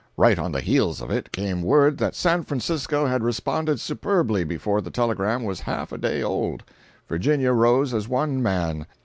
Right on the heels of it came word that San Francisco had responded superbly before the telegram was half a day old. Virginia rose as one man!